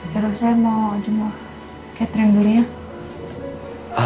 jadulah saya mau jumlah catherine dulu ya